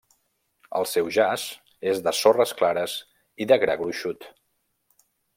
El seu jaç és de sorres clares i de gra gruixut.